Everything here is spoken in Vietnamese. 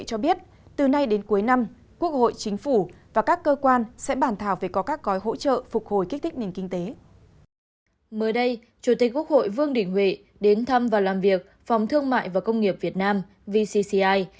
mới đây chủ tịch quốc hội vương đình huệ đến thăm và làm việc phòng thương mại và công nghiệp việt nam vcci